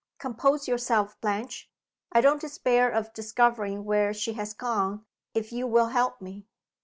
Compose yourself, Blanche. I don't despair of discovering where she has gone, if you will help me."